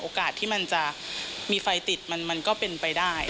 ที่มันจะมีไฟติดมันก็เป็นไปได้